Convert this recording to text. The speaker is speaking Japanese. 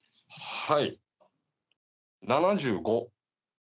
はい。